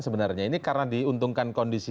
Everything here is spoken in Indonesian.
sebenarnya ini karena diuntungkan kondisi